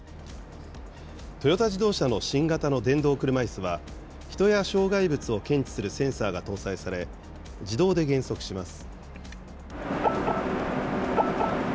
トヨタ自動車の新型の電動車いすは、人や障害物を検知するセンサーが搭載され、自動で減速します。